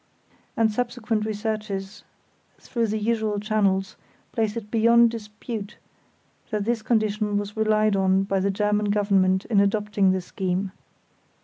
And subsequent researches through the usual channels place it beyond dispute that this condition was relied on by the German Government in adopting the scheme.